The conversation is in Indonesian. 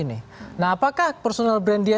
nah apakah personal brand dia